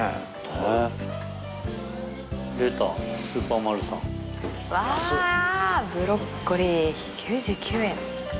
うわブロッコリー９９円。